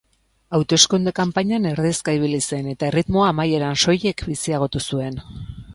Hauteskunde kanpainan erdizka ibili zen, eta erritmoa amaieran soilik biziagotu zuen.